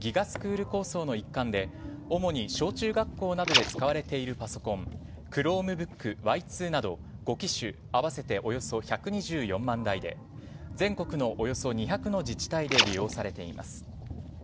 スクール構想の一環で主に小中学校などで使われているパソコンＣｈｒｏｍｅｂｏｏｋＹ２など５機種合わせておよそ１２４万台で全国のおよそ２００の自治体で利用されています。